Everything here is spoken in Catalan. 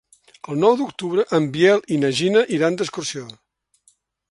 El nou d'octubre en Biel i na Gina iran d'excursió.